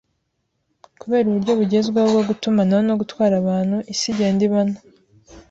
Kubera uburyo bugezweho bwo gutumanaho no gutwara abantu, isi igenda iba nto